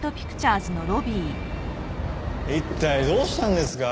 一体どうしたんですか？